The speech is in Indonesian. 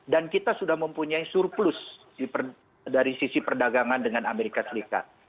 dan kita sudah mempunyai surplus dari sisi perdagangan dengan amerika serikat